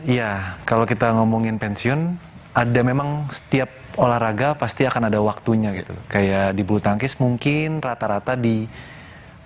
iya kalau kita ngomongin pensiun ada memang setiap olahraga pasti akan ada waktunya gitu kayak diburu tangkis mungkin rata rata di kalau tunggal ya kita mengungkan tunggal mungkin